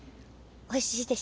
おいしいです。